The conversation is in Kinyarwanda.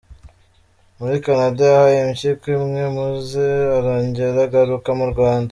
Muri Canada yahawe impyiko imwe maze arongera agaruka mu Rwanda.